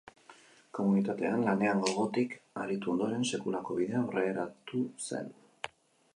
Komunitatean, lanean gogotik aritu ondoren, sekulako bidea aurreratu zen.